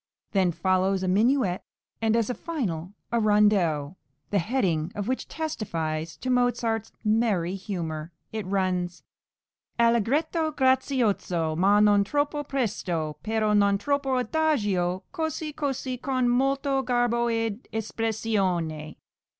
Then follows a minuet, and as a finale a "rondieaoux," the heading of which testifies to Mozart's merry humour; it runs: "Allegretto grazioso, ma non troppo presto, perö non troppo adagio, cosi, cosi, con molto garbo ed espressione."